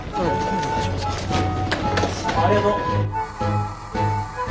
ありがとう。